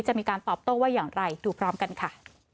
จะมีการตอบโต้ว่าอย่างไรดูพร้อมกันค่ะ